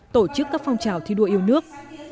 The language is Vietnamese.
tổ chức các phong trào thi đua yêu nước